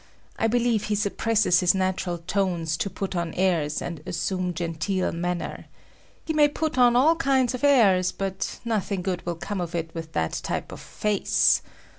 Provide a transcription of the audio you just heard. I believe he suppresses his natural tones to put on airs and assume genteel manner. He may put on all kinds of airs, but nothing good will come of it with that type of face.